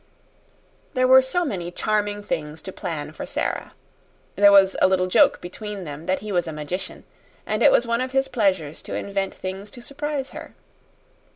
There were so many charming things to plan for Sara. There was a little joke between them that he was a magician, and it was one of his pleasures to invent things to surprise her.